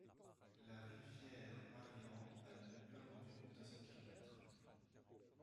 La rivière Marian a une longueur d'environ deux cents kilomètres.